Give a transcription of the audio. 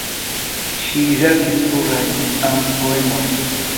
Ŝi verkis plurajn am-poemojn.